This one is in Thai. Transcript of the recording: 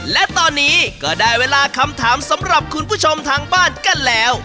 และตอนนี้ก็ได้เวลาคำถามสำหรับคุณผู้ชมทางบ้านกันแล้ว